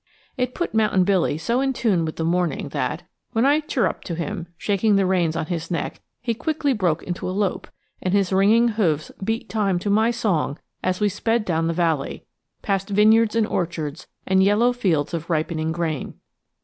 It put Mountain Billy so in tune with the morning that, when I chirrupped to him, shaking the reins on his neck, he quickly broke into a lope and his ringing hoofs beat time to my song as we sped down the valley, past vineyards and orchards and yellow fields of ripening grain.